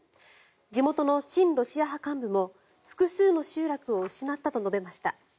地元の親ロシア派幹部も複数の集落を失ったと述べました。